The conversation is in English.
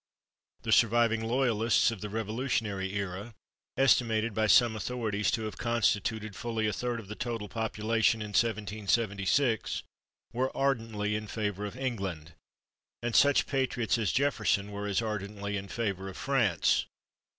The surviving Loyalists of the revolutionary era estimated by some authorities to have constituted fully a third of the total population in 1776 were ardently in favor of England, and such patriots as Jefferson were as ardently in favor of France.